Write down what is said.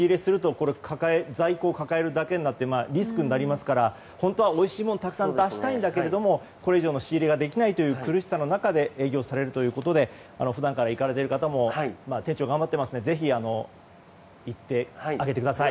かけることができないってことは仕入れをすると在庫を抱えるだけになってリスクになりますから本当はおいしいものをたくさん出したいんだけれどこれ以上仕入れができないという苦しさの中で営業されるということで普段から行かれている方も店長は頑張っておりますのでぜひ行ってあげてください。